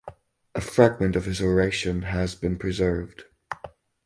A fragment of his oration has been preserved.